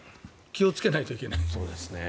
気をつけないといけない。